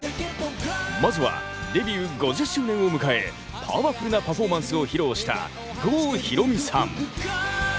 まずはデビュー５０周年を迎えパワフルなパフォーマンスを披露した郷ひろみさん。